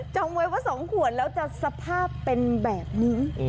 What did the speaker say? องไว้ว่า๒ขวดแล้วจะสภาพเป็นแบบนี้